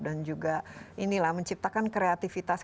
juga inilah menciptakan kreativitas